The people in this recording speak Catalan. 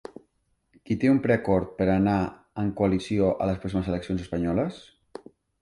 Qui té un preacord per anar en coalició a les pròximes eleccions espanyoles?